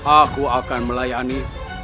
aku akan melayani